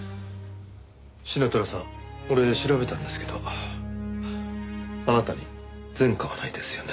シナトラさん俺調べたんですけどあなたに前科はないですよね？